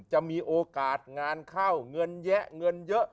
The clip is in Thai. จะมีโอกาสงานเข้าเงินแยะเงินเยอะ